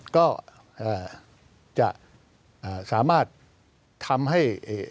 ก็จะสามารถทำให้